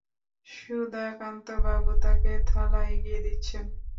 সুধাকান্তবাবু তাঁকে থালা এগিয়ে দিচ্ছেন।